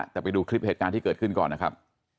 แต่ไปดูคลิปเหตุการณ์ที่เกิดขึ้นก่อนนะครับ